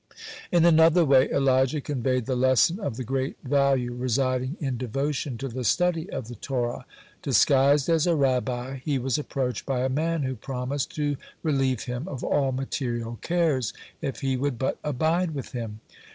(87) In another way Elijah conveyed the lesson of the great value residing in devotion to the study of the Torah. Disguised as a Rabbi, he was approached by a man who promised to relieve him of all material cares if he would but abide with him.